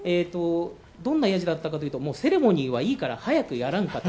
どんな野次だったかというと、セレモニーはもういいから早くやらんかと。